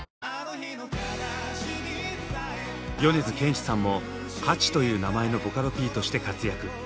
米津玄師さんもハチという名前のボカロＰとして活躍。